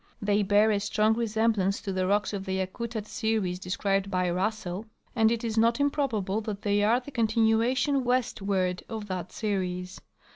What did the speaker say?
They bear a strong resemblance to the rocks of the Yakutat series described by Rus sell,'''^ and it is not improbable that they are the continution west ward of that series.